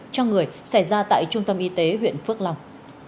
cho người xảy ra tại trung tâm y tế huyện phước long